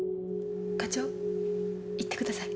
課長行ってください。